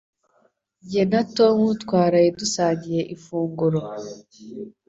Jye na Tom twaraye dusangiye ifunguro.